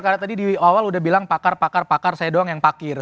karena tadi di awal udah bilang pakar pakar pakar saya doang yang pakir